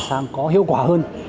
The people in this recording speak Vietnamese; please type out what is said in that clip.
làm sao có hiệu quả hơn